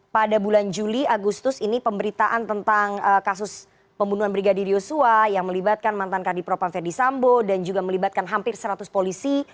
pada bulan juli agustus ini pemberitaan tentang kasus pembunuhan brigadir yosua yang melibatkan mantan kadipropa ferdisambo dan juga melibatkan hampir seratus polisi